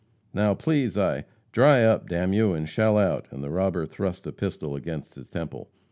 "Now, please, I " "Dry up, d n you, and shell out!" And the robber thrust a pistol against his temple.